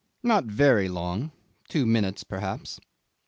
Not very long two minutes perhaps.